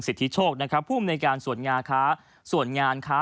สิทธิโชคนะครับภูมิในการส่วนงาค้าส่วนงานค้า